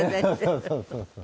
そうそうそうそう。